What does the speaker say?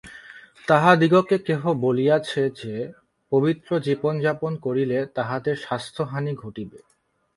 তাহাদিগকে কেহ বলিয়াছে যে, পবিত্র জীবন যাপন করিলে তাহাদের স্বাস্থ্যহানি ঘটিবে।